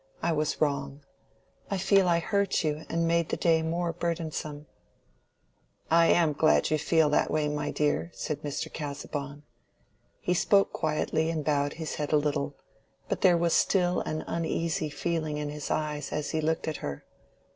I was wrong. I fear I hurt you and made the day more burdensome." "I am glad that you feel that, my dear," said Mr. Casaubon. He spoke quietly and bowed his head a little, but there was still an uneasy feeling in his eyes as he looked at her.